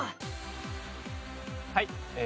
はい。